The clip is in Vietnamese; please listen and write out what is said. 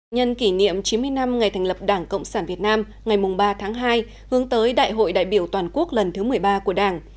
nhân kỷ niệm chín mươi năm ngày thành lập đảng cộng sản việt nam ngày ba tháng hai hướng tới đại hội đại biểu toàn quốc lần thứ một mươi ba của đảng